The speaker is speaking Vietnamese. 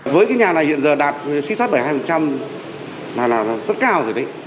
với cái nhà này hiện giờ đạt xích xuất bảy mươi hai là rất cao rồi đấy